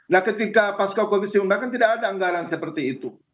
nah ketika pasca covid sembilan belas diumumkan tidak ada anggaran seperti itu